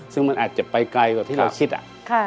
ซึ่งมันอาจจะไปไกลกว่าที่เราคิดอะ